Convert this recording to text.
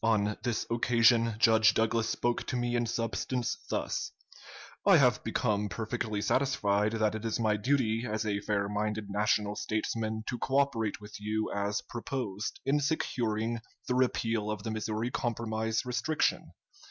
"On this occasion Judge Douglas spoke to me in substance thus: 'I have become perfectly satisfied that it is my duty, as a fair minded national statesman, to cooperate with you as proposed, in securing the repeal of the Missouri Compromise restriction.